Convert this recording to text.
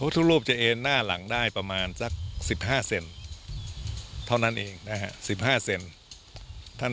ทุกรูปจะเอ็นหน้าหลังได้ประมาณสัก๑๕เซนเท่านั้นเองนะฮะ๑๕เซนท่าน